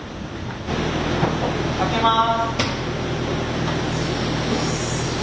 開けます。